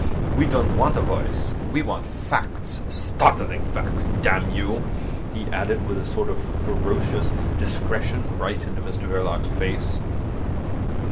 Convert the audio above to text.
We don't want a voice. We want facts—startling facts—damn you," he added, with a sort of ferocious discretion, right into Mr Verloc's face.